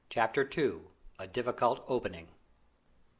CHAPTER II. A DIFFICULT OPENING.